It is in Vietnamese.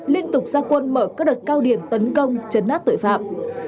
liên tục ra quân mở các đợt cao điểm tấn công chấn nát tội phạm